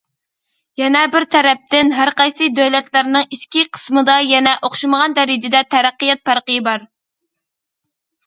يەنە بىر تەرەپتىن، ھەر قايسى دۆلەتلەرنىڭ ئىچكى قىسمىدا، يەنە ئوخشىمىغان دەرىجىدە تەرەققىيات پەرقى بار.